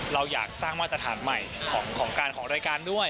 เราอยากสร้างมาตรฐานใหม่ของการของรายการด้วย